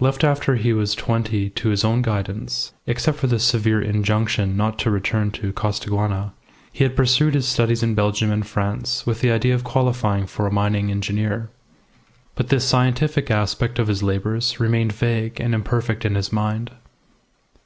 Left after he was twenty to his own guidance (except for the severe injunction not to return to Costaguana), he had pursued his studies in Belgium and France with the idea of qualifying for a mining engineer. But this scientific aspect of his labours remained vague and imperfect in his mind.